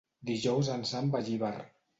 Dijous en Sam va a Llíber.